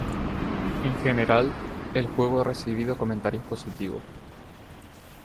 En general, el juego ha recibido comentarios positivos.